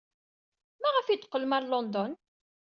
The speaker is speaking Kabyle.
Maɣef ay teqqlem ɣer London?